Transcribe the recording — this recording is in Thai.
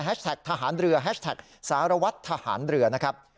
ทหารเรือแฮชแท็กสารวัตรทหารเรือนะครับ